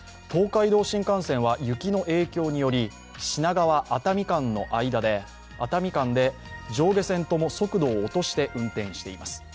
東海道新幹線は雪の影響により品川−熱海で上下線とも速度を落として運転しています。